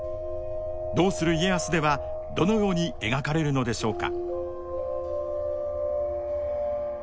「どうする家康」ではどのように描かれるのでしょうか？